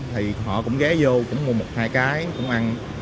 thì họ cũng ghé vô cũng mua một hai cái cũng ăn